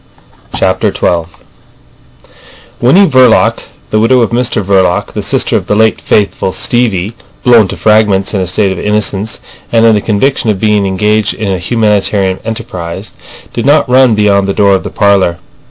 CHAPTER XII Winnie Verloc, the widow of Mr Verloc, the sister of the late faithful Stevie (blown to fragments in a state of innocence and in the conviction of being engaged in a humanitarian enterprise), did not run beyond the door of the parlour.